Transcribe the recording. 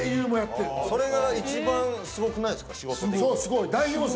それが一番すごくないですか仕事。